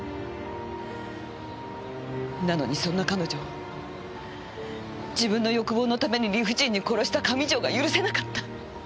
なのにそんな彼女を自分の欲望のために理不尽に殺した上条が許せなかった！